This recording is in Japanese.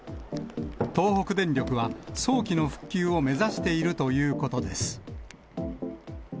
東北電力は、早期の復旧を目指しているということです。